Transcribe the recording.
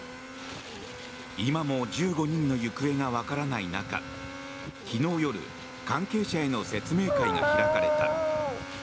今も１５人の行方がわからない中昨日夜関係者への説明会が開かれた。